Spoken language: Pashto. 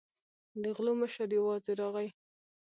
د غلو مشر یوازې راغی.